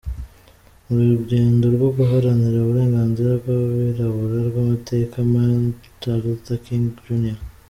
Mu rugendo rwo guharanira uburenganzira bw’abirabura rw’amateka, Martin Luther King Jr.